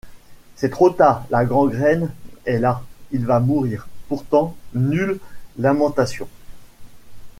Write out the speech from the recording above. C’est trop tard, la gangrène est là, il va mourir, pourtant, nulles lamentations.